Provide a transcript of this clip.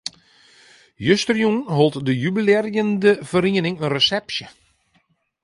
Justerjûn hold de jubilearjende feriening in resepsje.